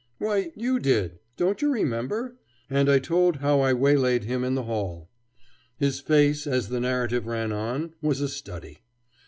"Why, you did. Don't you remember?" And I told how I waylaid him in the hall. His face, as the narrative ran on, was a study.